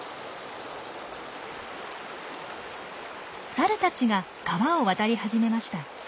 サルたちが川を渡り始めました。